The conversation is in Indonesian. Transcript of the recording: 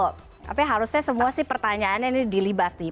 tapi harusnya semua sih pertanyaannya ini dilibat nih